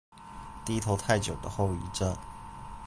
低頭太久的後遺症